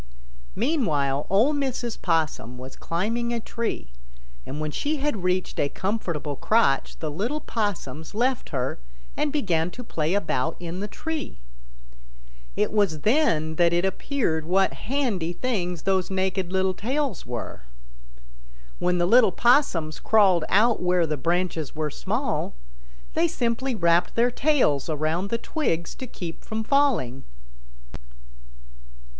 Meanwhile Ol' Mrs. Possum was climbing a tree, and when she had reached a comfortable crotch the little Possums left her and began to play about in the tree. It was then that it appeared what handy things those naked little tails were. When the little Possums crawled out where the branches were small, they simply wrapped their tails around the twigs to keep from falling.